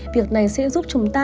việc này sẽ giúp chúng ta